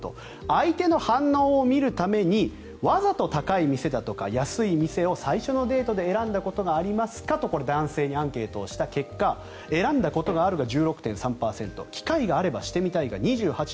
相手の反応を見るためにわざと高い店だとか安い店を、最初のデートで選んだことがありますかとこれ、男性にアンケートした結果選んだことがあるが１６．３％機会があればしてみたいが２８．８％。